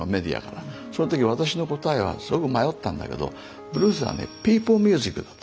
その時私の答えはすごく迷ったんだけどブルースはねピープルミュージックだと。